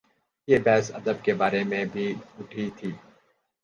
یہ بحث ادب کے بارے میں بھی اٹھی تھی۔